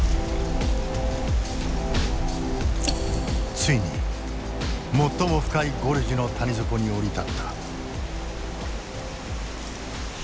ついに最も深いゴルジュの谷底に降り立った。